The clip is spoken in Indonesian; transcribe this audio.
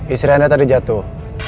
istri anda tadi jatuh